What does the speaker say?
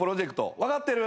分かってる？